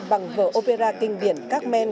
bằng vở opera kinh biển cagman